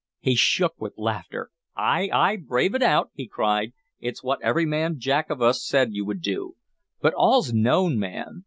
He shook with laughter. "Ay, ay, brave it out!" he cried. "It's what every man Jack of us said you would do! But all's known, man!